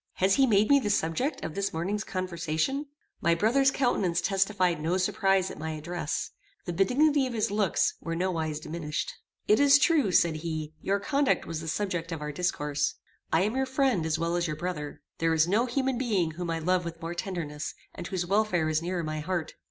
Has he made me the subject of this morning's conversation?" My brother's countenance testified no surprize at my address. The benignity of his looks were no wise diminished. "It is true," said he, "your conduct was the subject of our discourse. I am your friend, as well as your brother. There is no human being whom I love with more tenderness, and whose welfare is nearer my heart.